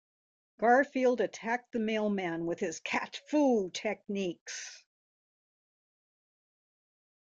Garfield attacked the mailman with his "Cat Fu" techniques.